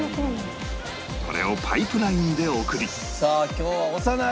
これをパイプラインで送りさあ今日は押さない。